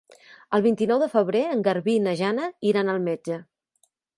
El vint-i-nou de febrer en Garbí i na Jana iran al metge.